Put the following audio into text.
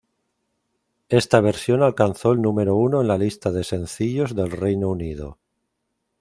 Ésta versión alcanzó el número uno en la lista de sencillos del Reino Unido.